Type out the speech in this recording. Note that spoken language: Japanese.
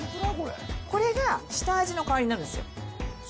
これが下味の代わりになるんですよ。